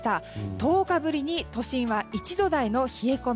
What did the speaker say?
１０日ぶりに都心は１度台の冷え込み。